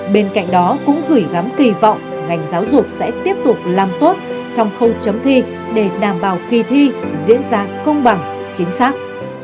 bên cạnh đó cũng gửi gắm kỳ vọng ngành giáo dục sẽ tiếp tục làm tốt trong khâu chấm thi để đảm bảo kỳ thi diễn ra công bằng chính xác